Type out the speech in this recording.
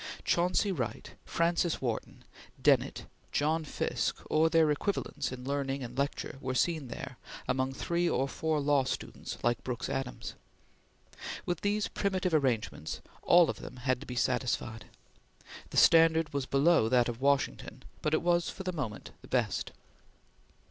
Chauncey Wright, Francis Wharton, Dennett, John Fiske, or their equivalents in learning and lecture, were seen there, among three or four law students like Brooks Adams. With these primitive arrangements, all of them had to be satisfied. The standard was below that of Washington, but it was, for the moment, the best.